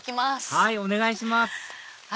はいお願いします